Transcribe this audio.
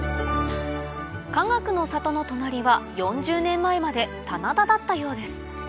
かがくの里の隣は４０年前まで棚田だったようです